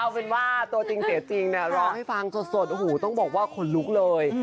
เอาเป็นว่าตัวจริงเสียจริงเนี่ยร้องให้ฟังสดโอ้โหต้องบอกว่าขนลุกเลย